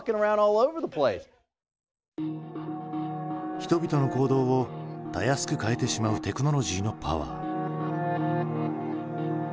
人々の行動をたやすく変えてしまうテクノロジーのパワー。